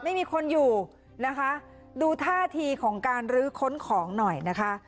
ไม่มีคนอยู่นะคะดูท่าทีของการลื้อค้นของหน่อยนะคะ